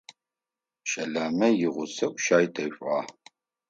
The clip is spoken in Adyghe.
Щэламэ игъусэу щаи тешъуагъ.